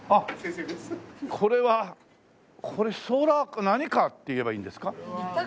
これはこれソーラー何カーって言えばいいんですか？